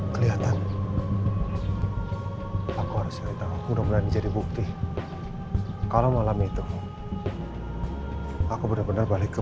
kelihatan aku harus mencari tahu udah menjadi bukti kalau malam itu aku bener bener balik ke